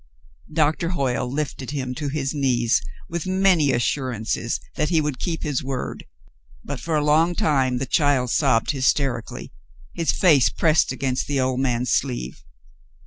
Doctor Hoyle lifted him to his knees with many assurances that he would keep his word, but for a long time the child sobbed hysterically, his face pressed against the old man's sleeve.